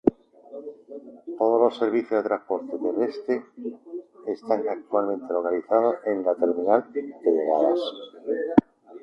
Todos los servicios de transporte terrestre están actualmente localizados en la terminal de llegadas.